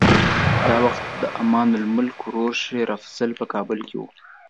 دا وخت د امان الملک ورور شېر افضل په کابل کې و.